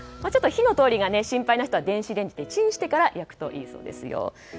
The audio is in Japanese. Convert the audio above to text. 火の通りが心配な人は電子レンジでチンしてから焼くといいそうですよ。